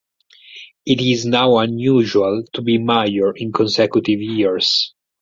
It is now unusual to be mayor in consecutive years.